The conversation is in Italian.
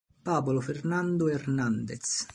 Pablo Fernando Hernández